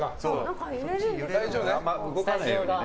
あんま動かないようにね。